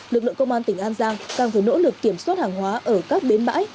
lực lượng công an tỉnh an giang càng phải nỗ lực kiểm soát hàng hóa ở các bến bãi